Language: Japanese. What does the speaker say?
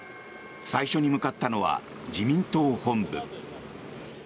最初に向かったのは自民党本部。